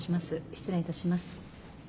失礼いたします。